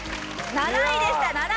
７位でした７位。